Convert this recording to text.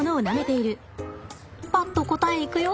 パッと答えいくよ！